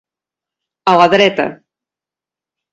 A la dreta.